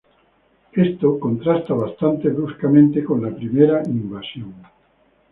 Esto contrasta bastante bruscamente con la primera invasión.